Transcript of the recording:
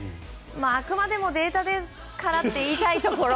あくまでもデータですからと言いたいところ。